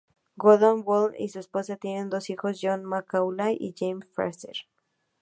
Gordon Brown y su esposa tienen dos hijos, John Macaulay y James Fraser.